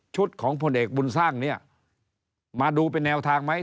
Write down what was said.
ของผลเอกบุญสร้างเนี่ยมาดูเป็นแนวทางไหม